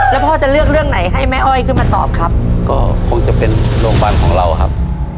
แล้วพ่อจะเลือกเรื่องไหนให้แม่อ้อยขึ้นมาตอบครับก็คงจะเป็นโรงพยาบาลของเราครับ